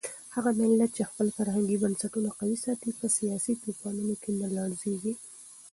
هغه ملت چې خپل فرهنګي بنسټونه قوي ساتي په سیاسي طوفانونو کې نه لړزېږي.